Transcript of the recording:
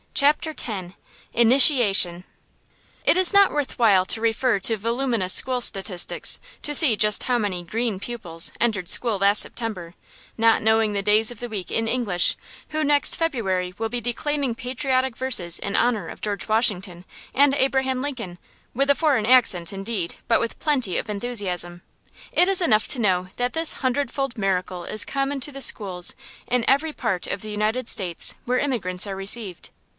CHAPTER X INITIATION It is not worth while to refer to voluminous school statistics to see just how many "green" pupils entered school last September, not knowing the days of the week in English, who next February will be declaiming patriotic verses in honor of George Washington and Abraham Lincoln, with a foreign accent, indeed, but with plenty of enthusiasm. It is enough to know that this hundred fold miracle is common to the schools in every part of the United States where immigrants are received.